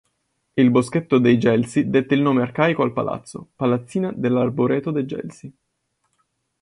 Il boschetto dei gelsi dette il nome arcaico al palazzo: "Palazzina dell'arboreto de' gelsi".